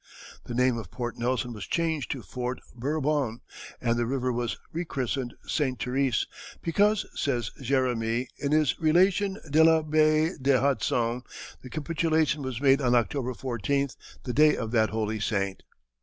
The name of Port Nelson was changed to Fort Bourbon, and the river was rechristened St. Therese, because, says Jeremie, in his Relation de la Baie de Hudson, the capitulation was made on October 14th, the day of that holy saint.